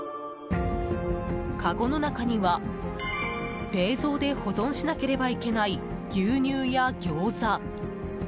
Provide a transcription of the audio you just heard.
かごの中には、冷蔵で保存しなければいけない牛乳やギョーザ。